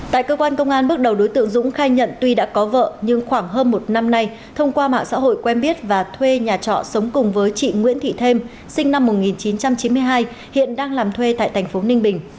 tại cơ quan công an bước đầu đối tượng dũng khai nhận tuy đã có vợ nhưng khoảng hơn một năm nay thông qua mạng xã hội quen biết và thuê nhà trọ sống cùng với chị nguyễn thị thêm sinh năm một nghìn chín trăm chín mươi hai hiện đang làm thuê tại thành phố ninh bình